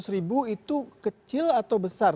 tujuh ratus ribu itu kecil atau besar